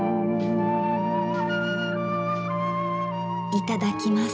いただきます。